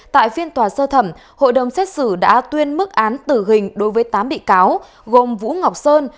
tại phiên tòa sơ thẩm hội đồng xét xử đã tuyên mức án tử hình đối với tám bị cáo gồm vũ ngọc sơn